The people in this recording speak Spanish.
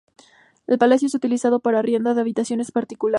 El palacio es utilizado para arriendo de habitaciones a particulares.